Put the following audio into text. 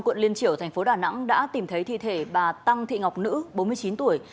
quận liên triểu thành phố đà nẵng đã tìm thấy thi thể bà tăng thị ngọc nữ bốn mươi chín tuổi